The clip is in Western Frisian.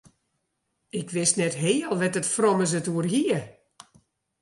Ik wist net heal wêr't it frommes it oer hie.